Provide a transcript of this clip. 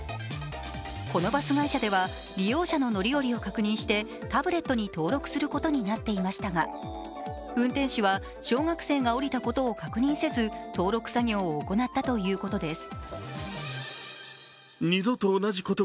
このバス会社では、利用者の乗り降りを確認してタブレットに登録することになっていましたが運転手は小学生が降りたことを確認せず登録作業を行ったということです。